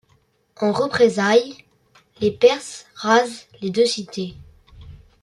En représailles, les Perses rasent les deux cités.